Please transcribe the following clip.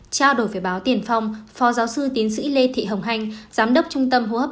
trao đổi với báo tiền phong phó giáo sư tiến sĩ lê thị hồng hanh giám đốc trung tâm hô hấp